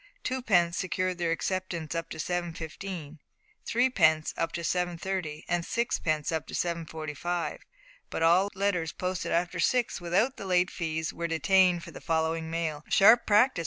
Twopence secured their acceptance up to 7:15. Threepence up to 7:30, and sixpence up to 7:45, but all letters posted after six without the late fees were detained for the following mail. "Sharp practice!"